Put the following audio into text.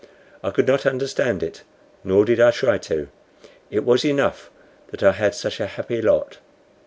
I could not understand it, nor did I try to; it was enough that I had such a happy lot.